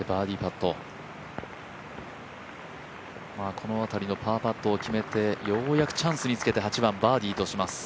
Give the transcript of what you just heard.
この辺りのパーパットを決めてようやくチャンスにつけて８番、バーディーとします。